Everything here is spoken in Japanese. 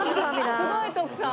すごい徳さん。